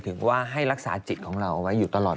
เริ่มจากการรักษาจิตของเราไว้ก่อน